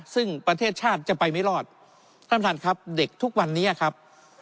ซึ่งประเทศชาติจะไปไม่รอดท่านประธานครับเด็กทุกวันนี้ครับ